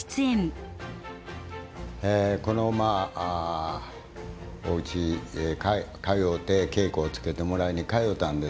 このまあおうち通うて稽古をつけてもらいに通うたんですけど。